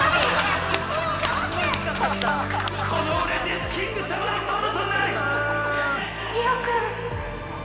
◆この俺、デスキング様のものとなる！